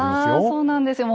そうなんですよ。